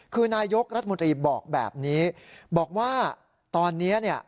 คือนายกรัฐมนตรีบอกแบบนี้บอกว่าตอนนี้เนี่ย